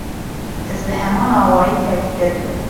Ez bi heman awayî tevlî te dibim.